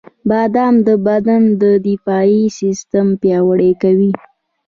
• بادام د بدن د دفاعي سیستم پیاوړی کوي.